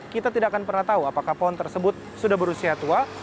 kita tidak akan pernah tahu apakah pohon tersebut sudah berusia tua